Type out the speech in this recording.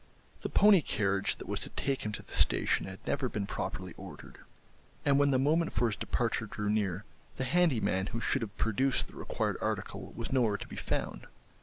The pony carriage that was to take him to the station had never been properly ordered, and when the moment for his departure drew near the handy man who should have produced the required article was nowhere to be found.